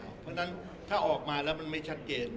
เพราะฉะนั้นถ้าออกมาแล้วมันไม่ชัดเจน